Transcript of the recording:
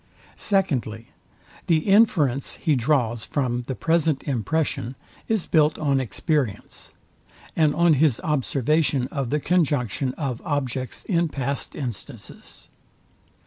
Secondly, The inference he draws from the present impression is built on experience, and on his observation of the conjunction of objects in past instances.